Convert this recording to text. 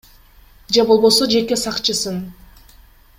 Же болбосо жеке сакчысын.